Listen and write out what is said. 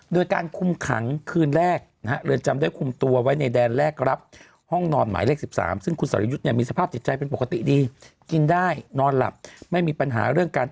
โดยการคุมขังคืนแรก